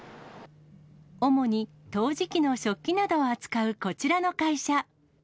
主に陶磁器の食器などを扱うこちらの会社。